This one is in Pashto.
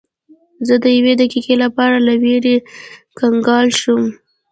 زه د یوې دقیقې لپاره له ویرې کنګل شوم.